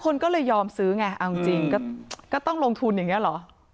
คนก็เลยยอมซื้อไงเอาจริงก็ต้องลงทุนอย่างนี้เหรอ